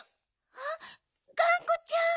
あっがんこちゃん。